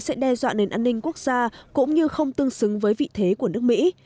cho nên an ninh quốc gia cũng như không tương xứng với vị thế của nước mỹ